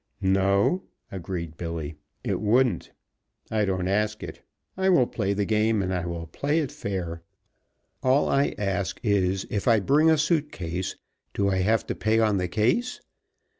"No," agreed Billy, "it wouldn't. I don't ask it. I will play the game and I will play it fair. All I ask is: If I bring a suit case, do I have to pay on the case?